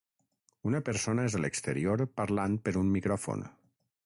Una persona és a l'exterior parlant per un micròfon.